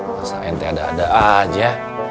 masa ente ada ada aja